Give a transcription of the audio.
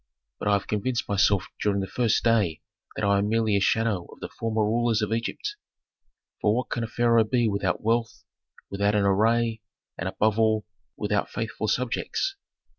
But I have convinced myself during the first day that I am merely a shadow of the former rulers of Egypt; for what can a pharaoh be without wealth, without an array, and, above all, without faithful subjects?